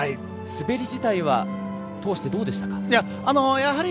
滑り自体は通してどうでしたか。